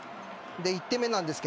１点目なんですが